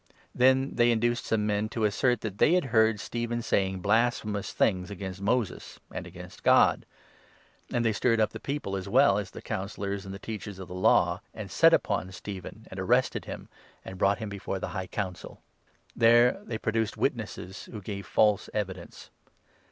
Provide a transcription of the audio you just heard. Then they induced some men to n assert that they had heard Stephen saying blasphemous things against Moses, and against God ; and they stirred up the 12 people, as well as the Councillors and the Teachers of the Law, and set upon Stephen, and arrested him, and brought him before the High Council. There they produced witnesses 13 who gave false evidence.